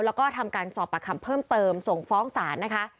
แล้วก็ทำการสอบประคำเพิ่มเติมส่งฟ้องศาลนะคะ